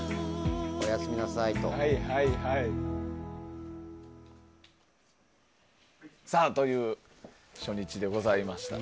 おやすみなさいと。という初日でございました。